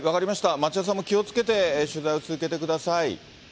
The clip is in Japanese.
町田さんも気をつけて取材を続けてください。